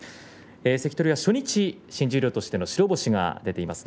関取は初日新十両としての白星が出ています。